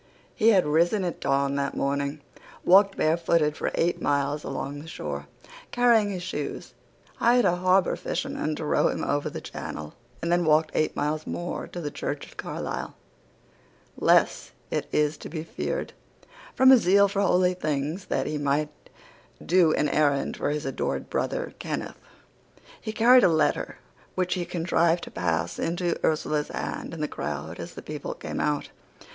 He had risen at dawn that morning, walked bare footed for eight miles along the shore, carrying his shoes, hired a harbour fisherman to row him over the channel, and then walked eight miles more to the church at Carlyle, less, it is to be feared, from a zeal for holy things than that he might do an errand for his adored brother, Kenneth. He carried a letter which he contrived to pass into Ursula's hand in the crowd as the people came out.